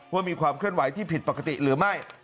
ว่ามีความเคลื่อนไหวที่ผิดปกติหรือไม่